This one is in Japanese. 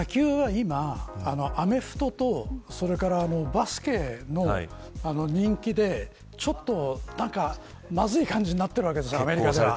野球は今、アメフトとそれからバスケの人気で、ちょっとまずい感じになっているわけです。